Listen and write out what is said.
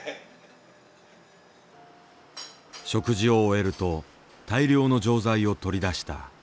食事を終えると大量の錠剤を取り出した。